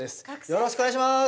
よろしくお願いします！